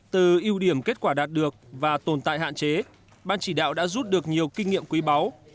từ ưu điểm kết quả đạt được và tồn tại hạn chế ban chỉ đạo đã rút được nhiều kinh nghiệm quý báu